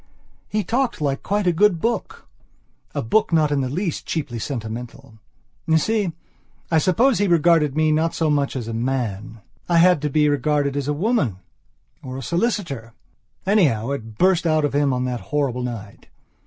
He talked like quite a good booka book not in the least cheaply sentimental. You see, I suppose he regarded me not so much as a man. I had to be regarded as a woman or a solicitor. Anyhow, it burst out of him on that horrible night.